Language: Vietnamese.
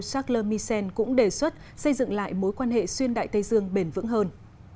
charles misen cũng đề xuất xây dựng lại mối quan hệ xuyên đại tây dương bền vững hơn